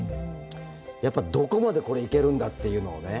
やっぱどこまでこれ行けるんだっていうのをね